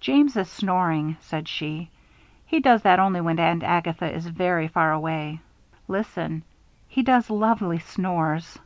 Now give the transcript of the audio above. "James is snoring," said she. "He does that only when Aunt Agatha is very far away. Listen! He does lovely snores!"